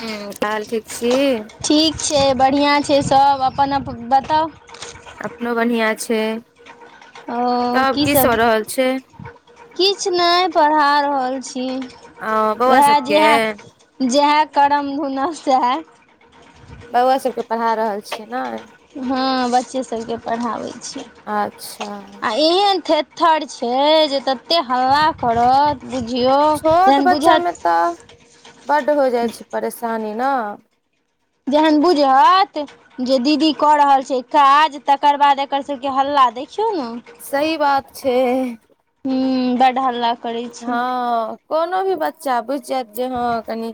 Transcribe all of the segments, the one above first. हुँ तहन ठीक छी। ठीक छै, बढ़िआँ छै, सब अपन -अपन बताउ अपनो बढ़िया छै ओ तब की सब कीसभ रहल छै किछु नय पढ़ा रहल छी। आ बउवा उएह सब के जेहए जएह करम धुनब सएह बौआ सबके पढ़ा रहल छी नइ। हँ बच्चे सभके पढ़ाबै छी अच्छा आ एहन थे थेत्थर छै जे ततेक हल्ला करत बुझियौ जहन बुझत तऽ बड हो जाइ छै परेशानी न जेहन बुझत जे दीदी कऽ रहल छै काज तकर बाद एकर सबके हल्ला देखियौ न। सही बात छै। हु बड़ हल्ला करै छै हँ कोनो भी बच्चा बुझि जायत जे हँ कनि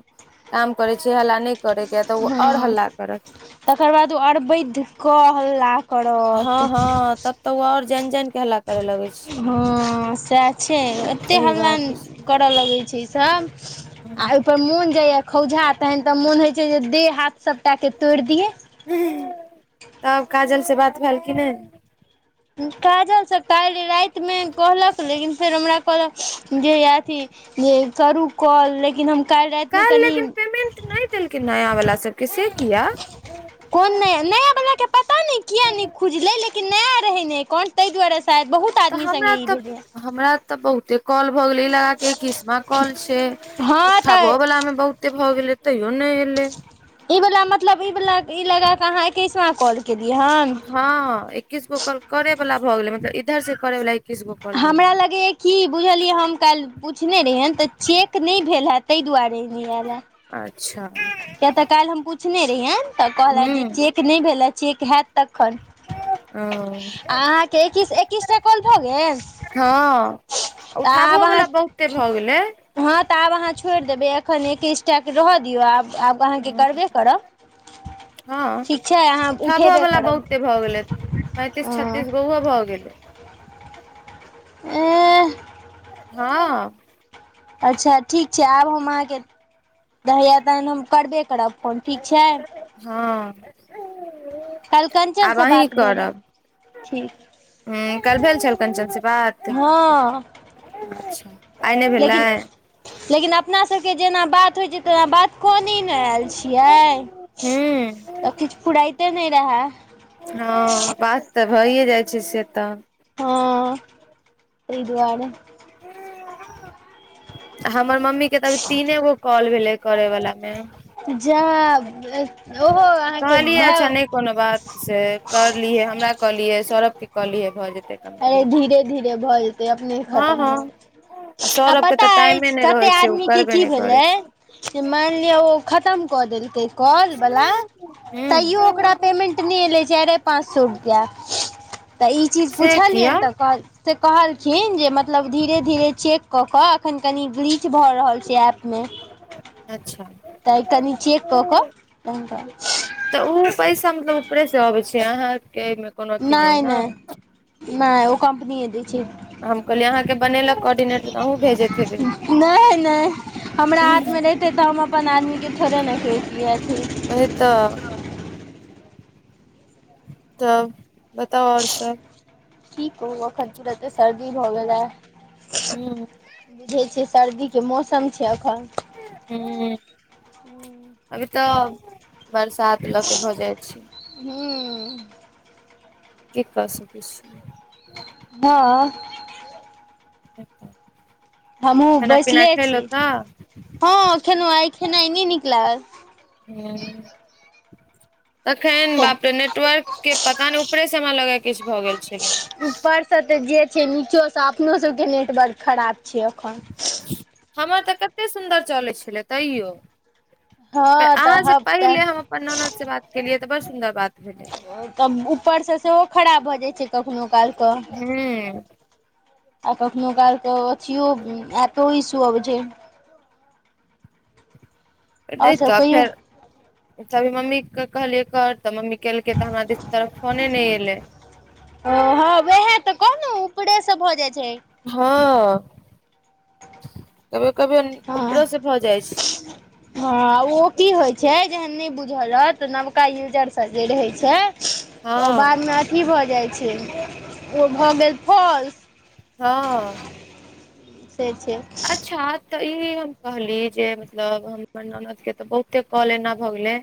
काम करे छै हला नय करेके ह तऽ ओ आऔर हँ हल्ला करत तकर बाद ओ अरबैध क हल्ला हँ करत ह तब तऽ ओ और जान -जान के हेल्ला करे लगे छै! हँ सएह छै, एतेक सही हल्ला बात छै करय लगै छै, इ सभ आ ओइ पर मोन जया खौझा तहन तऽ मोन होय छै, जे देह हाथ सबटा के तोड़ि दिये। तब काजल से बात भेल की ने काजल सँ काइल राएत मे कहलक लेकिन फेर हमरा कहलक जे ये अथी जे करू कॉल लेकिन हम काइल्ह राएत मे कनि- देलकिन नया वाला सबके से किया कोन नया -नया बला के पता नय किया नय खुजलै लेकिन नया रहै ने अकाउंट ताइह दुआरे शायद बहुत तऽ आदमी संगे हमरा ई तऽ भेलै हमरा तऽ बहुते कॉल भऽ गेले ए लगा के एकिस्मा कॉल छै। हँ उठा तऽ भऽ बलामे बहुते भऽ गेलै तैयो नै एलै। ई वला मतलब ई वला ई लगा कऽ अहाँ एकिसमा कॉल केलियै हन? हँ एकैस गो करे वला भऽ गेलै मतलब इधर से करे वला हमरा लगैये की बुझलिये हम काल्हि पुछने रहियैन त चेक नै भेले तै दुआरे नै आयले। अच्छा। किया त काल्हि हम पुछने रहियैन त कहलैन जे हूँ चेक नै भेले चेक हैत तखन। ओ आ अहाँ के ऐकिस ऐकिस टा कॉल भ गेल? ओठाबो बला बहुते भ गेलै। हां त आब अहाँ छोड़ि देबै अखन एकिस टा रहय दियौ आब आब अहाँ के करबे करब। हा ठीक छै अहाँ उठेबे उठाबोवला करब बहुते भ गेलै। पैंतिस हँ छत्तीस उहो भ गेलै। ऐह। हां। अच्छा ठीक छै आब हम अहाँ के होइया तखन हम करबे करब फोन, ठीक छै? हां। काल्हि कंचन से बात भेले, ठीक। हुं काल्हि भेल छल कंचन से बात? हां, अच्छा आइ नहि भेलै लेकिन लेकिन अपना सबके जेना बात होइत छै तेना बात क ने आयल छियै हूँ त किछ फुराइते नै रहे। हा बात त भइए जाइ छै से त हां, तै दुआरे। हमर मम्मी के त अभी तीने गो कॉल भेलै करै वला मे जा। कहलिये अच्छा नै कोनो बात से करलिये हमरा कहलिये सौरव के कहलिये भ जेतै। अरे कम्प्लीट धीरे धीरे भ जेते अपने हँ खतम हँ हो आ सौरभके पता तऽ टाइमे अछि नहि कते रहै छै ओ आदमी के करबे की नहि करै भेलै? छै मेल लिअ ओ खतम क देलके कॉल वला तैयो हूँ ओकरा पेमेंट मे एलै चारिये पाँच सो रुपया त ई चीज से पुछलियैन किया त कहलैन से कहलखिन जे मतलब धीरे धीरे चेक क के अखन कनि बीच किछ भ रहल छे ऐप मे। अच्छा। त कनि चेक क क ब जा [inaudible] त ओ पैसा मतलब ऊपरे से अबे छे अहाँ के। ने ने ने ओ कम्पनिये दै छै। हम कहलिये अहाँ के बनेलेक कोर्डिनेटर त अहूँ भेजेत हेबे। नै नै हमरा हाथ मे रहिते त हम अपन आदमी के थोड़े ने करितियै। ओ त। तब बताउ और सब। ठीक एखन तुरन्ते सर्दी भ गेले। ह बुझै छियै सर्दी के मौसम छै एखन। हुँ [inaudible] अभी त, बरसात ल के भ जाइ छै। हं अं। की क सकै छी। हं अं। हमहुं खाना पीना बैसले छी। खयलहु तऽ [inaudible] हँ खेलौं, आइ खेनाइ नै नीक लागल। हं अं। अखनि बाप रे, नेटवर्कके पता नै ऊपरेसं हमरा लगैया किछ भ गेल छलै। ऊपर त जे छै नीचोंसं अपनो सबके नेटवर्क खराब छै अखन। [inaudible] हमर त कते सुन्दर चलै छलै तैयो। [inaudible] त हँ तऽ अहाँ से हब तऽ पहिले हम अपन ननदसे बात केलियै त बड्ड सुन्दर बात भेलै [inaudible] तब ऊपरसं सेहो खराब भ जाइ छै कखनो काल क। हूँ आ कखनो काल क अथियो, एपो इश्यू अबै छै। नै आओर सब त कहियौ फेर, [inaudible] एत अभीमम्मी के कहलियै कर त मम्मी केलकै त हमरा दिस, तरफ फोने नै एलै। ओ हँ, उहे त कहलौ ऊपरेसं भ जाइ छै। हँ [inaudible] कभी कभी हँ ऊपरो सं भ जाइ छै। हँ ओ की होइ छै, जहन नै बुझल रहत त नबका यूजर सब जे रहै छै त ओ हँ बादमे अथी भ जाइ छै, ओ भ गेल फॉल्स। हँ। [inaudible] से छै। अच्छा त ई हम कहली जे मतलब हमर ननद के त बहुते कॉल एना भ गेलै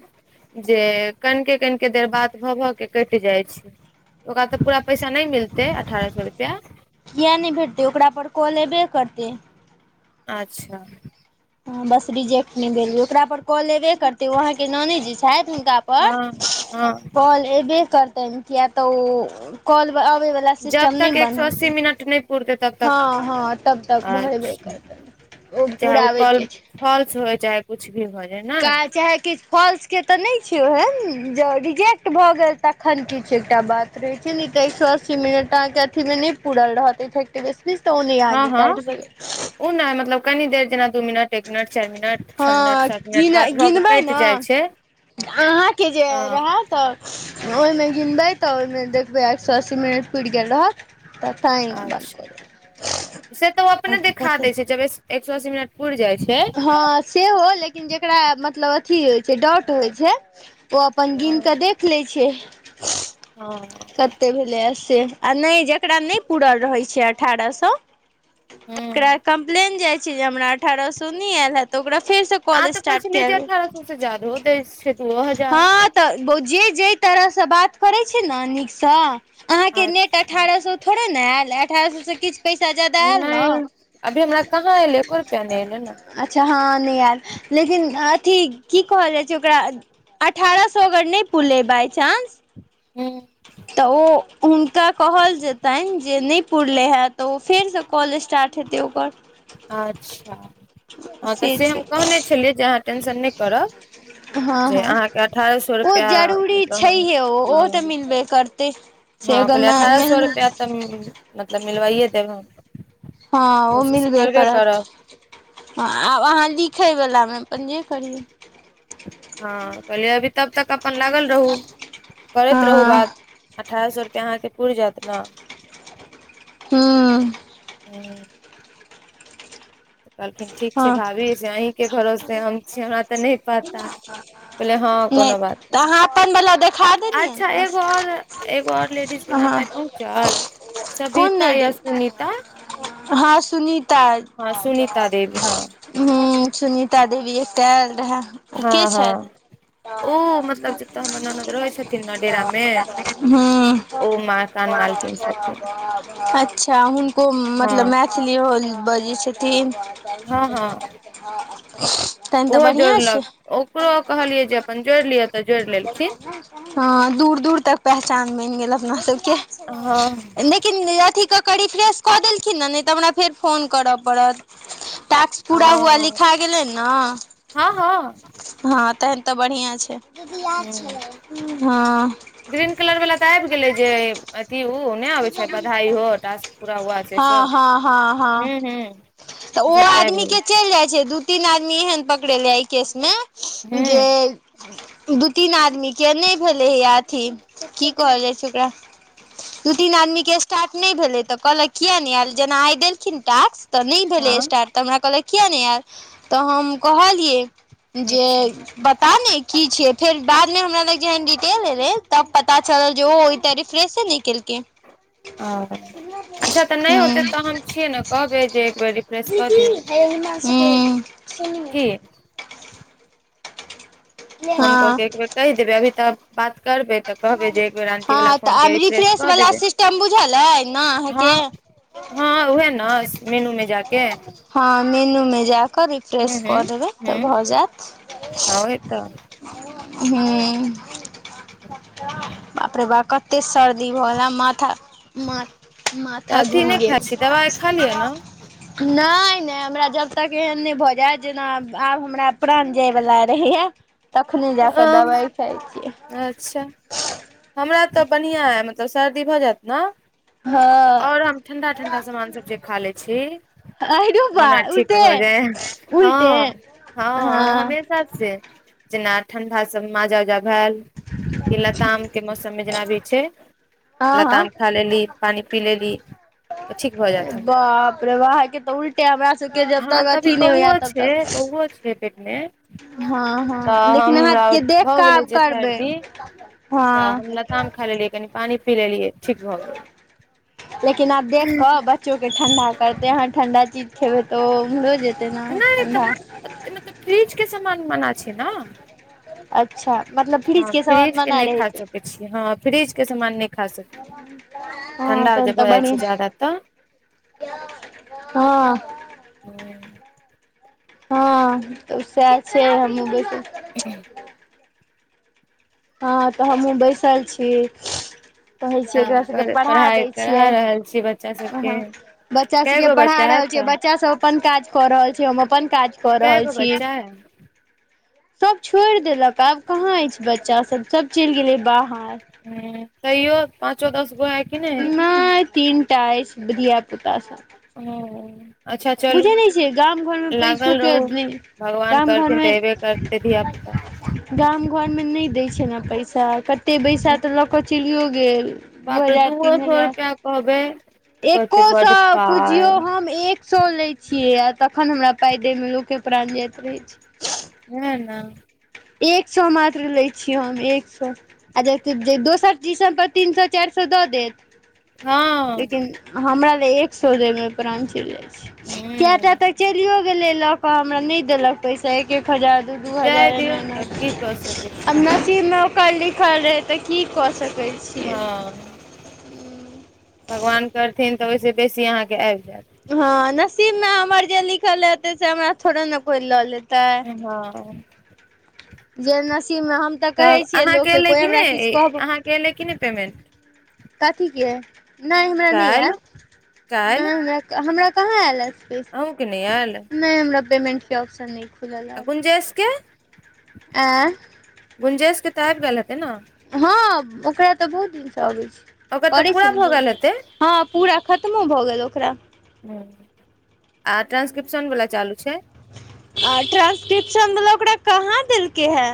जे कनिके कनिके देर बात भ भ के कटि जाइ छै। ओकरा त पूरा पैसा नै मिलतै अठारह सौ रुपया? किए नै भेटतै ओकरा पर कॉल एबे करतै। अच्छा। हँ बस रिजेक्ट नै भेलिअइ। ओकरा पर कॉल एबे करतै ओ अहाँके ननदि जे छथि हुनका पर हँ हँ कॉल एबै करतनि किए त ओ कॉल ब अबै बला जब तक एक स अस्सी मिनट नै पूरतै तब तक हँ हँ तब [inaudible] तक भरबे अच्छा, करतनि [inaudible] चाहे ओ कॉल पुराबैके फॉल्स हो चाहे कुछ भी भ जाइ न काज चाहे किछु फॉल्सके त नै छै ओहेन जं रिजेक्ट भ गेल तखन किछ एकटा बात रहै छै नै त एक स अस्सी मिनट अहांँके अथीमे नै पूरल रहतै इफे तै मे स्पीच त ओ नै हँ अहाँके हँ काटि सकै [inaudible] ओ न मतलब कनी देर जेना दू मिनट एक मिनट, चारि मिनट, छ मिनट हँ सात मिनट गिन बाद भ के गिनबै कटि ने जाइ छै अहाँके जे हँ रेहा त ओइमे गिनबै त ओइमे देखबै, एक स अस्सी मिनट पुरि गेल रहत। तऽ टाइम बन्द अच्छा कऽ से त ओ देबै अपने आओर की देखा कहतै देै छै जब एक स अस्सी मिनट पुरि जाइ छै। हँ सेहो लेकिन जेकरा मतलब अथी होइ छै डाट होइ छै ओ अपन गिन हँ क देख लै छै। हँ। कते भेलैया से आ नै जेकरा नै पूरल रहै छै अठारह सं तकरा हूँ कम्प्लेन जाइ छै जे हमरा अठारह स नै आएल हैत त ओकरा फेर सं आ तऽ कहै छलै जे अठारह सए से जादहो दै छै। दूओ हजार हँ तऽ भोजी जे तरहसँ बात करै छी, न नीकसँ। अहाँके नेट अच्छा अठारह सए थोड़े ने आयल अठारह सएसँ किछु पैसा जादा ऐल न। नहि अभी हमरा कहाँ एलै एको रुपैआ नहि एलै ने अच्छा हँ नइ आयल लेकिन अथी की कहल जाइ छै ओकरा अठारह सए अगर नइ पुरलै बइचानंस हूँ तऽ ओ हुनका कहल जेतइन जे नइ पुरलै हँ तऽ ओ फेरसँ कॉल स्टार्ट हेतै ओकर। अच्छा हँ तऽ से हम कहने छलियै जे अहाँ टेंशन नइ करब। हँ - जे हँ अहाँके अठारह सए ओ रुपैआ जरूरी मतलब हम छैहे ओ ओ तऽ हँ मिलबे करतै। हँ से अगर कहलियै मे अठारह सए रुपआ मेहनत तऽ मतलब मिलवाइए देब हम। हँ ओ कोशिश मिलबै करबे करत। करब हँ आब अहाँ लिखयवलामे अपन जे करियौ। हँ कहलियै अभी तब तक अपन लागल रहू करैत रहू हँ बात। अठारह सए रुपैआ अहाँके पूइर जायत न हँ ओ कहलखिन ठीक छै हँ भाभी से अहींके भरोसे हम छी हमरा तऽ नय पता कहलियै हँ नय कोनो बात तऽ नहि अहाँ अपनवला देखा देलियैन अच्छा एगो आओर एगो आओर लेडीज के नाम आइ पहुँचल कोन सविता या लेडी सुनीता। हँ सुनीता अइ हँ सुनीता देवी हँ हुँ सुनीता देवी एकटा ऐल रहे। हँ- हँ ओ मतलब जतय हमर ननद रहै छथिन ने डेरा मे [unintelligible] हुँ ओ मकान मालकिन छथिन [unintelligible] अच्छा हुनको मतलब मै हँ मैथिलियों ओने बजै छथिन हँ हँ तहन तऽ ओहो बढ़िआँ छै जोड़लक ओकरो कहलियै जे अपन जोड़ि लियअ हँ दूर -दूर तक पहचान बइन गेल अपना सबके हँ लेकिन अथि कऽ करि रिफ्रेश कऽ देलखिन ने नय तऽ हमरा फेर फोन करअ परत टास्क पूरा हुआ हँ लिखा गेलै नऽ हँ- हँ हँ तहन तऽ बढ़िआँ छै ह हँ ग्रीन कलर वला तऽ आइब गेलै जे अथी उ नय आबै छै बधाई हो टास्क पूरा हुआ से हँ सब हँ हँ हँ तऽ ओ सब आदमी आबि के गेलै चइल जाइत छै, दू तीन आदमी एहन पकड़ेले इ केस में जे हूँ दू, तीन, आदमी के नय भेले हे अथी की कहल जाइ छै ओकरा दू, तीन, आदमी के स्टार्ट नय भेलै तऽ कहलक किया नय आयल जेना आइ देलखिन टास्क तऽ नय भेलै हँ स्टार्ट तऽ हमरा कहलक किया नय आयल तऽ हम कहलियै जे अच्छा बता ने की छियै फेर बाद मे हमरा लग जेहन डिटेल एले तब पता चलल जे ओ हो एक टा रिश्ते फ्रेशे नय केलकै ओ अच्छा तऽ नय हूँ होतै हूँ तऽ हम छियै ने कहबै जे एक बेर रिफ्रेश कऽ दियौ [unintelligible] हुँ की फोन कऽ हँ के एक बेर कहि देबै, अभी तऽ बात करबै। तऽ कहबै जे एक बेर आंटी हँ वाला तऽ फोन के आब रिफ्रेश कऽ वला देबै। सिस्टम बुझल अइ ने हँ अहाँके हँ वएह ने मेनू मे जाके। हँ मेनू मे जाकऽ रिफ्रेश कऽ देबै तऽ भऽ जैत। हां वही तऽ हुं बाप रे बा कत्ते सर्दी भ गेल ऐं माथा म - माथा तऽ अथी घूइम नहि गेल खाइ छी दवाइ अइछ। खा लिअ ने नहि- नहि हमरा जब तक एहन नहि भऽ जैं जेना आब हमरा प्राण जाए वला रहैया तखने अ जाकऽ दबाइ खाइ छियै। अच्छा हमरा तऽ बढ़ियां अय मतलब सर्दी भऽ जैत न तऽ हँ आओर हम ठंडा-ठंडा समान सब जे खा लै छी आइरो बा हमरा ठीक उल्टे भऽ जाए या, उल्टे हँ-हँ हँ हमेशा से जेना ठंडा सब माजा-उजा भैल कि लताम के मौसम मे जेना भी छै हँ हँ लताम खा लेली पानि पी लेली। तऽ ठीक भऽ जायत हमरा बाप रे बा अहां के त उल्ट टे हमरा सब के जब हमरा तक तऽ अभी अथी नहि होय यैं बौओ तब छै बौओ छै पेट मे तक। हां-हां तऽ लेकिन अहाँ हमरा के देखि भऽ क आब गेलै जे करबे। सर्दी हं कनी पानी पी लेलिये ठीक भ गेल। लेकिन आब देख क बच्चो के ठंडा करतै, अहां ठंडा चीज खेबै त ओ उम्हरो जेत तैय नहि ठंडा। अय में तऽ फ्रिज के समान मना छै नऽ। अच्छा मतलब फ्रिज के समान के मना नहि रहै खा छय। सकै छियै हँ फ्रिज के सामान नहि खा सकै हँ ठंडा जे तहन तऽ भऽ जाइ छै बढ़ियां। जादा तऽ हँ [unintelligible] हँ तऽ उ सएह छै हमहुं बैसल [unintelligible] हँ त हमहूँ बैसल छी। कहै छिये एकरा काम सबके कर पढ़ा पढ़ाइ दय करा रहल छी बच्चा छियइ सबके अहाँ, बच्चा कए सबके गो पढ़ा बच्चा है रहल छियै तऽ बच च्चा सब अपन काज क रहल छय, हम अपन काज क कए रहल गो छी। बच्चा है सब छोइड़ देलक, अब कहाँ अछि बच्चा सब, सब चैल गेलै बाहर। हूं तैयो पाँचो-दस गो अय। नहि तीन टा अइछ घिया पुता सब। ओ अच्छा चलू बुझै नहि छियै गाम घरमे पैसो लागल के रहू। नहि भगवान करेथिन तऽ ऐबे करतै धिया-पुता। गामं घरमे नहि दय छै ने पैसा कत ते पैसा तऽ लऽ कऽ चलियो गेल, दू बाप रे हजार दूओ तीन सए हजार। रुपआ कहबै तऽ एको कहते बड सौ पाय पुझियौ हम एक सौ लय छियै, आ तखन हमरा पाय दय मे लोके प्राण जाइत रहै छय। वैह नऽ एक सौ मात्र लै छियै हम, एक सौ। आ जे कि जे दोसर टीशन पर तीन सौ चार सौ दऽ देत। हँ लेकिन हमरा लऽ एक सौ मे प्राण चेल जाइ छे कियाटा ह तक। चलियो गेले लऽ कऽ हमरा ने देलक पैसा, एक- एक हजार दू - दू जाय हजार दियौ एना आर की कऽ सकै छी नसीब मे ओकर लिखल रहे तऽ की कऽ सके हं, भगवान करथिन त ओहिसे बेसी कहाँ के आयब जायत। ह, नसीब मे हमर जे लिखल हेते, से हमरा थोड़े ने कोइ लऽ लेत। तऽ हँ जेनसिब में त कहे तब छिये लोक अहाँके के, एलै कोइ कि हमरा किछ नहि कहब अहाँके एलै कि ने पेमेन्ट। कथी के, अइ ने हमरा ने आयल काल्हि ने काल्हि हमरा हमरा कहाँ आयल है। पैसा अहूँके नहि आयल ने हमरा पेमेन्टके ऑप्शन ने आ गुंजेस के एँ गुंजेस के त आबे गेल हेते ने। हां ओकरा त बहुत दिन से अबे छै, ओकर तऽ करे पूरा छे ने भऽ बहुत गेल दिन हेतै से। हां पूरा खत्मो भ गेल ओकरा। आ ट ट्रांसक्रिप्शन वला चालू छै। आ ट्रांसक्रिप्शन मतलब ओकरा कहाँ देलके है।